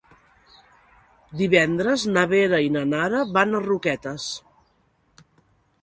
Divendres na Vera i na Nara van a Roquetes.